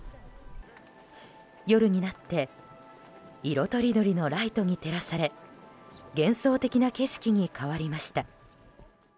夜になって色とりどりのライトに照らされ幻想的な景色に変わりました。